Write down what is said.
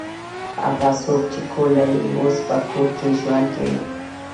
هغه څوک چې کور لري اوس په کور کې ژوند کوي.